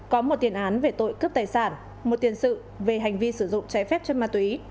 có một tiền án về tội cướp tài sản một tiền sự về hành vi sử dụng trái phép chất ma túy